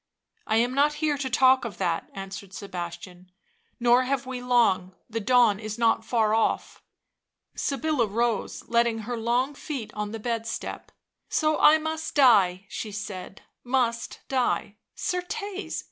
" I am not here to talk of that," answered Sebastian; "nor have we long — the dawn is not far off." Sybilla rose, setting her long feet on the bed step. " So I must die," she said —" must die. Certcs !